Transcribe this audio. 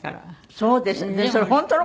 そうですか。